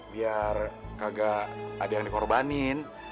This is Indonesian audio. biar kagak ada yang dikorbanin